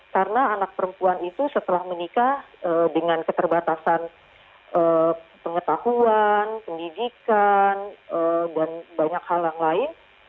karena anak perempuan itu setelah menikah dengan keterbatasan pengetahuan pendidikan dan banyak hal yang lain